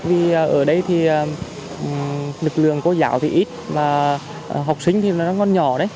vì ở đây thì lực lượng của giáo thì ít và học sinh thì nó còn nhỏ đấy